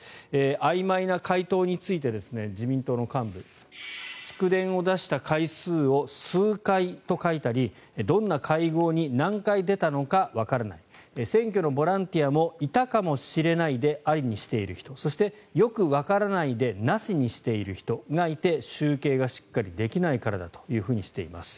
あいまいな回答について自民党の幹部祝電を出した回数を数回と書いたりどんな会合に何回出たのかわからない選挙のボランティアもいたかもしれないでありにしている人そして、よくわからないでなしにしている人がいて集計がしっかりできないからだとしています。